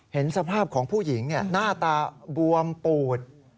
เห็นสภาพของผู้หญิงหน้าตาบวมปูด